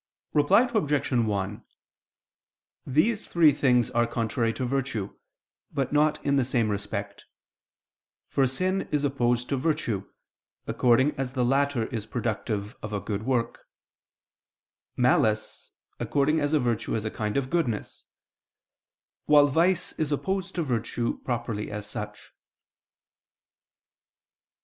Reply Obj. 1: These three things are contrary to virtue, but not in the same respect: for sin is opposed to virtue, according as the latter is productive of a good work; malice, according as virtue is a kind of goodness; while vice is opposed to virtue properly as such.